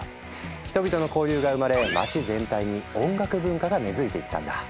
人々の交流が生まれ街全体に音楽文化が根づいていったんだ。